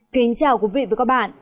kính chào quý vị và các bạn